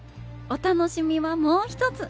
お楽しみはもう一つ。